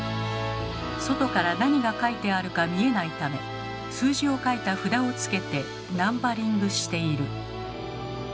外から何が書いてあるか見えないため数字を書いた札を付けてナンバリングしている。